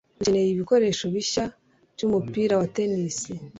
Dukeneye ibikoresho bishya byumupira wa tennis.